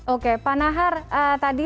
oke pak nahar tadi